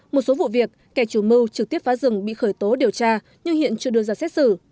một số vụ việc kẻ chủ mưu trực tiếp phá rừng bị khởi tố điều tra nhưng hiện chưa đưa ra xét xử